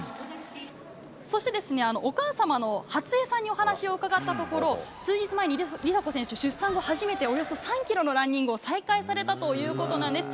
そして、お母様のはつえさんにお話を伺ったところ、数日前に梨紗子選手、出産後初めておよそ３キロのランニングを再開されたということなんです。